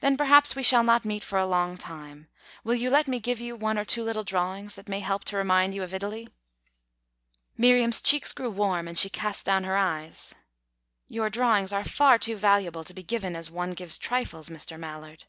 "Then perhaps we shall not meet for a long time. Will you let me give you one or two little drawings that may help to remind you of Italy?" Miriam's cheeks grew warm, and she east down her eyes. "Your drawings are far too valuable to be given as one gives trifles, Mr. Mallard."